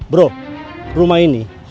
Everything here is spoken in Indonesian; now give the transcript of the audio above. bro rumah ini